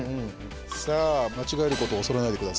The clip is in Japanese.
さあ間違えることを恐れないでください。